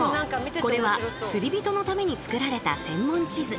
これは釣り人のために作られた専門地図。